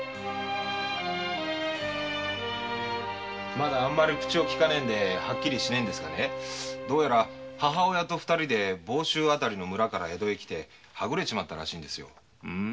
まだあんまり口をきかねえんではっきりしねえんですがどうやら母親と二人で房州辺りの村から江戸へ来てはぐれちまったらしいんですよ。